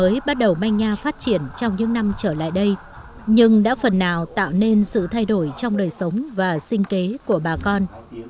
mới bắt đầu manh nha phát triển trong những năm trở lại đây nhưng đã phần nào tạo nên sự thay đổi trong đời sống và sinh kế của bà con